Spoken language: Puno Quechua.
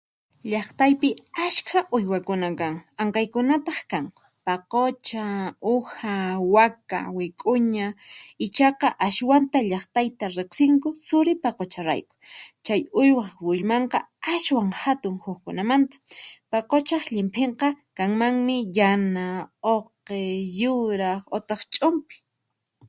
Llaqtaypi askha uywakuna kan, ankaykunataq kanqu: paqucha, uha, waka, wik'uña. Ichaqa aswanta llaqtayta riqsinku suri paqucharayku, chay uywaq willmanqa aswan hatun huqkunamanta, paquchaq llimphinqa kanmanmi yana, uqi, yuraq utah ch'umpi.